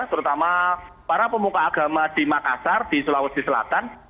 terutama para pemuka agama di makassar di sulawesi selatan